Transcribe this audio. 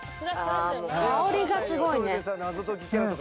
香りが、すごいね。